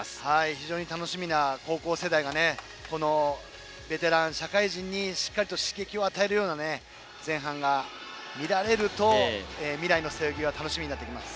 非常に楽しみな高校世代がベテラン、社会人にしっかり刺激を与えるような前半が見られると未来の背泳ぎが楽しみになってきます。